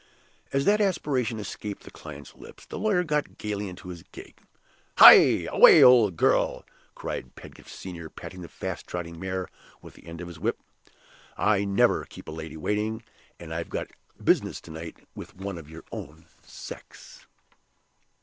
As that aspiration escaped the client's lips, the lawyer got gayly into his gig. "Hie away, old girl!" cried Pedgift Senior, patting the fast trotting mare with the end of his whip. "I never keep a lady waiting and I've got business to night with one of your own sex!"